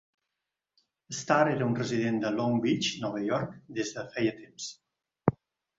Stahr era un resident de Long Beach (Nova York) des de feia temps.